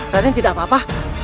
raden tidak apa apa